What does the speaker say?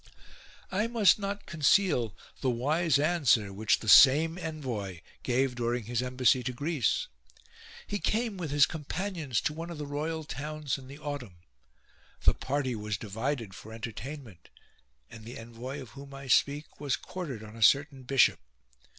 6. I must not conceal the wise answer which the same envoy gave during his embassy to Greece. He came with his companions to one of the royal towns in the autumn ; the party was divided for entertainment, and the envoy of whom I speak was quartered on a certain bishop.